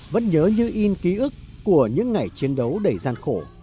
vẫn nhớ như in ký ức của những ngày chiến đấu đầy gian khổ